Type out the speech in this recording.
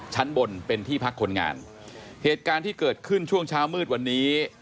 ชั้นบนเป็นที่พักคนงานเหตุการณ์ที่เกิดขึ้นช่วงเช้ามืดวันนี้